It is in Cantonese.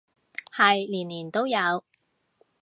係年年都有